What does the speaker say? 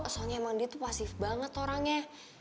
soalnya emang dia tuh pasif banget orangnya